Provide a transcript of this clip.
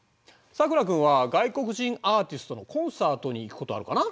さくら君は外国人アーティストのコンサートに行くことはあるかな。